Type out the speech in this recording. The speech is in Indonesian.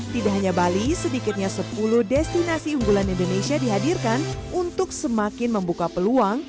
tidak hanya bali sedikitnya sepuluh destinasi unggulan indonesia dihadirkan untuk semakin membuka peluang